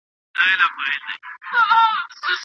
که يو د بل درناوی وکړئ، نو د صميميت ژوند به ولرئ